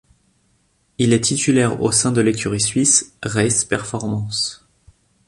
Il est titulaire au sein de l'écurie suisse Race Performance.